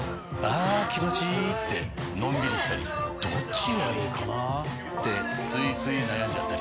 あ気持ちいいってのんびりしたりどっちがいいかなってついつい悩んじゃったり。